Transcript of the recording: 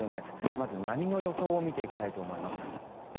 まず波の予想を見ていきたいと思います。